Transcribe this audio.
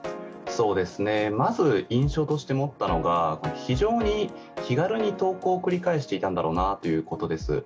まず、印象として持ったのが、非常に気軽に投稿を繰り返していたんだろうなということです。